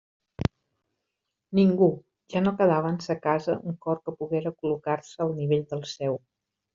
Ningú; ja no quedava en sa casa un cor que poguera col·locar-se al nivell del seu.